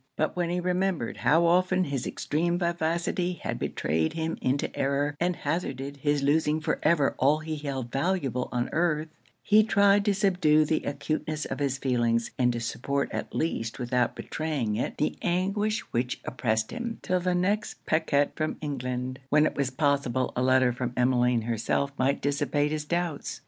But when he remembered how often his extreme vivacity had betrayed him into error, and hazarded his losing for ever all he held valuable on earth, he tried to subdue the acuteness of his feelings, and to support at least without betraying it, the anguish which oppressed him, till the next pacquet from England, when it was possible a letter from Emmeline herself might dissipate his doubts.